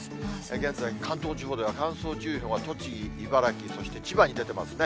現在、関東地方では乾燥注意報が栃木、茨城、そして千葉に出ていますね。